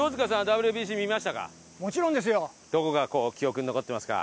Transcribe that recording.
どこが記憶に残ってますか？